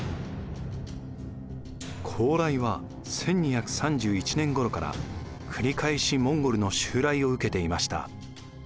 高麗は１２３１年ごろから繰り返しモンゴルの襲来を受けていました。